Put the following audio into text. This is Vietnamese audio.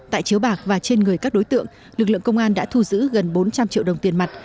tại chiếu bạc và trên người các đối tượng lực lượng công an đã thu giữ gần bốn trăm linh triệu đồng tiền mặt